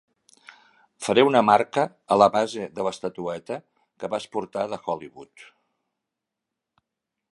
Faré una marca a la base de l'estatueta que vas portar de Hollywood.